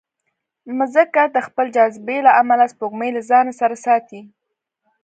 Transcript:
مځکه د خپل جاذبې له امله سپوږمۍ له ځانه سره ساتي.